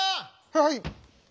・はい！